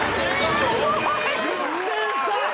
１０点差！